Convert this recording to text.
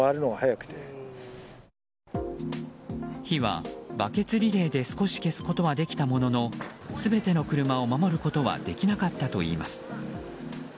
火は、バケツリレーで少し消すことはできたものの全ての車を守ることはできなかったといいます。